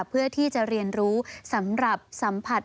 เพื่อที่จะเรียนรู้สำหรับสัมผัส